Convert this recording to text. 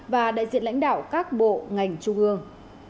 và đại diện lãnh đạo các bộ ngành trung ương